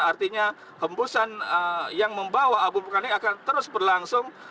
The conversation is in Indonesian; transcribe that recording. artinya hembusan yang membawa abu vulkanik akan terus berlangsung